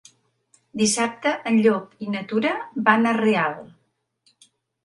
Dissabte en Llop i na Tura van a Real.